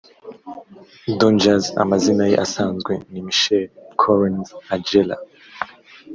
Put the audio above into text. Don Jazzy Amazina ye asanzwe ni Michael Collins Ajereh